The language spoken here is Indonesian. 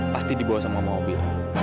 pasti dibawa sama mobil